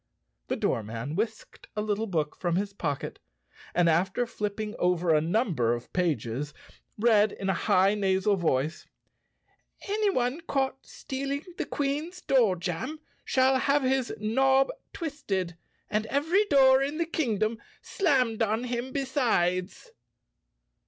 The doorman whisked a little book from his pocket and, after flipping over a number of pages, read in a high nasal voice, "Any one caught stealing the Queen's door jam shall have his knob twisted and every door in the kingdom slammed on him besides."